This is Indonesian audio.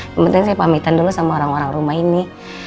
yang penting saya pamitan dulu sama orang orang rumah ini